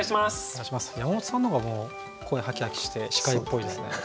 山本さんの方がもう声ハキハキして司会っぽいですね。